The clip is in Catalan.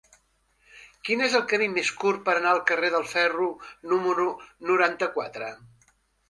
Quin és el camí més curt per anar al carrer del Ferro número noranta-quatre?